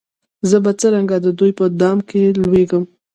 زه به څرنګه د دوی په دام کي لوېږم